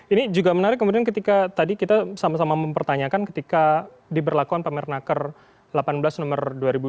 ini juga menarik ketika tadi kita sama sama mempertanyakan ketika diberlakuan pamer naker delapan belas nomor dua ribu dua puluh dua